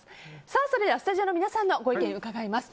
それではスタジオの皆さんのご意見伺います。